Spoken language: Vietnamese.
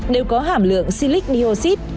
đều có hàm lượng silic dioxid